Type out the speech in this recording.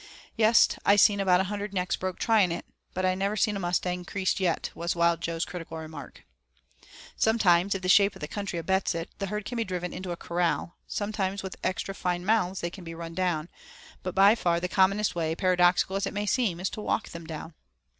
"Yes! I seen about a hundred necks broke trying it, but I never seen a mustang creased yet," was Wild Jo's critical remark. Sometimes, if the shape of the country abets it, the herd can be driven into a corral; sometimes with extra fine mounts they can be run down, but by far the commonest way, paradoxical as it may seem, is to walk them down.